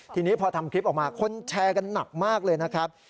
ทีนี้พอทำคลิปออกมาคนแชร์กันหนักมากเลยนะครับ